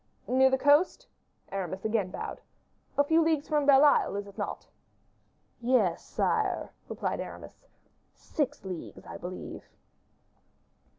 "Near the coast?" Aramis again bowed. "A few leagues from Bell Isle, is it not?" "Yes, sire," replied Aramis; "six leagues, I believe."